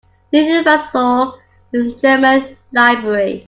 New Universal German Library.